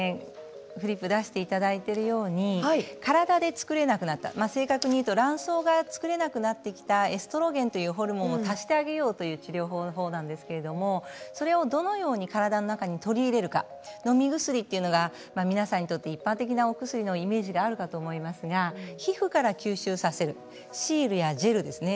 これは体で作れなくなった正確に言うと卵巣が作れなくなってきたエストロゲンというホルモンを足してあげようという治療法なんですけれどもそれをどのように体の中に取り入れるかのみ薬っていうのは皆さんにとって一般的な薬のイメージがあるかもしれませんが皮膚から吸収させるシールやジェルですね。